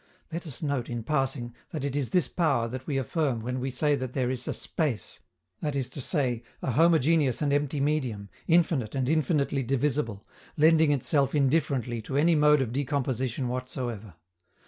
Let us note, in passing, that it is this power that we affirm when we say that there is a space, that is to say, a homogeneous and empty medium, infinite and infinitely divisible, lending itself indifferently to any mode of decomposition whatsoever.